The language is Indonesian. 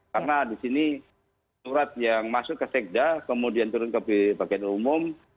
karena disini surat yang masuk ke sekda kemudian turun ke bagian umum